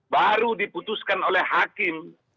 baru diputuskan oleh hakim